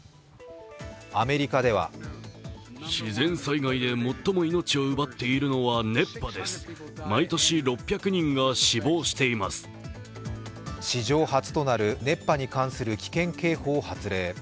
アメリカでは史上初となる熱波に関する危険警報を発令。